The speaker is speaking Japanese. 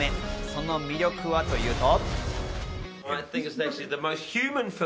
その魅力はというと。